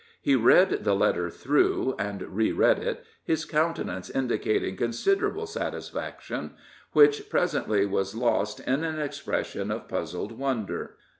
He read the letter through, and re read it, his countenance indicating considerable satisfaction, which presently was lost in an expression of puzzled wonder.